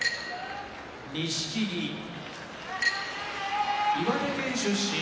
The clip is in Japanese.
錦木岩手県出身